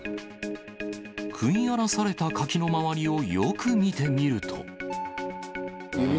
食い荒らされた柿の周りをよく見てみると。